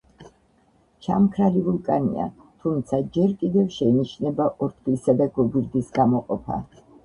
ჩამქრალი ვულკანია, თუმცა ჯერ კიდევ შეინიშნება ორთქლისა და გოგირდის გამოყოფა.